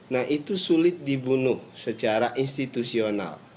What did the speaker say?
nah itu sulit dibunuh secara institusional